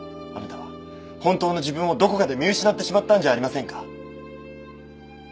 あなたは本当の自分をどこかで見失ってしまったんじゃありませんか？